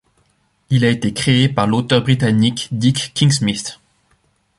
Il a été créé par l'auteur britannique Dick King-Smith.